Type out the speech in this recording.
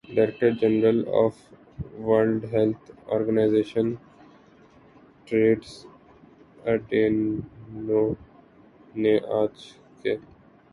director general of World Health Organization Tedros Adhanom نے آج کہ